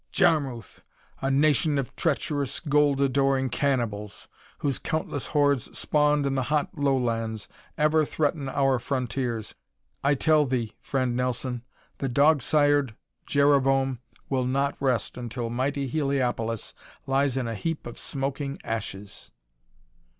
"Jarmuth! A nation of treacherous, gold adoring cannibals, whose countless hordes, spawned in the hot lowlands, ever threaten our frontiers. I tell thee, Friend Nelson, the dog sired Jereboam will not rest until mighty Heliopolis lies in a heap of smoking ashes."